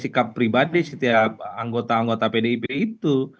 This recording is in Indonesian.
sikap pribadi setiap anggota anggota pdip itu